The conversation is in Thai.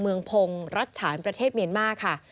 เมืองพงศ์รัชฉานประเทศเมียนมาร์ค่ะ